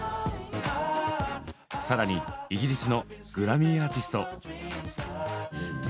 さらにイギリスのグラミーアーティスト。